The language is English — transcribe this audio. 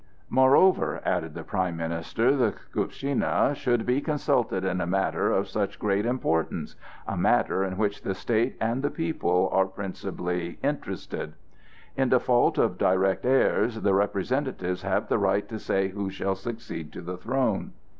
"Moreover," added the prime minister, "the Skuptschina should be consulted in a matter of such great importance—a matter in which the state and the people are principally interested. In default of direct heirs, the representatives have the right to say who shall succeed to the throne."